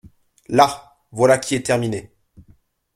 Là ! voilà qui est terminé !…